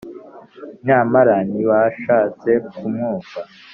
Nyamara ntibashatse kumwumva.